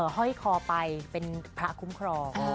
ห้อยคอไปเป็นพระคุ้มครอง